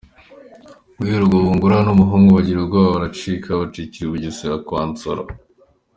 Guhera ubwo Bungura n’umuhungu bagira ubwoba baracika; bacikira i Bugesera kwa Nsoro.